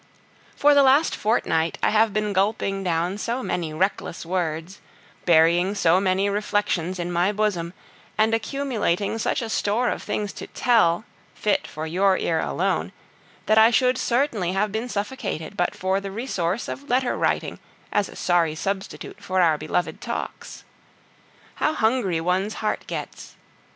For the last fortnight I have been gulping down so many reckless words, burying so many reflections in my bosom, and accumulating such a store of things to tell, fit for your ear alone, that I should certainly have been suffocated but for the resource of letter writing as a sorry substitute for our beloved talks. How hungry one's heart gets!